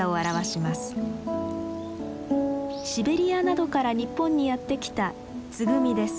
シベリアなどから日本にやって来たツグミです。